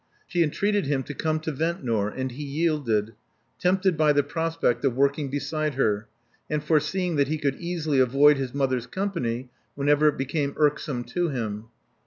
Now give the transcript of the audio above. She entreated him to come to Ventnor; and he yielded, tempted by the prospect of working beside her, and foreseeing that he could easily avoid his mother's company whenever it became irksome to him.